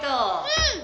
うん！